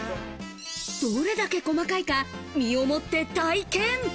どれだけ細かいか、身をもって体験。